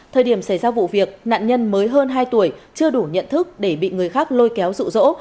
thời điểm xảy ra vụ việc nạn nhân mới hơn hai tuổi chưa đủ nhận thức để bị người khác lôi kéo rụ rỗ